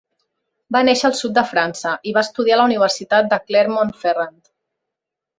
Va néixer al sud de França i va estudiar a la Universitat de Clermont-Ferrand.